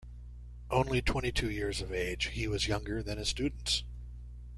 Only twenty-two years of age, he was younger than his students.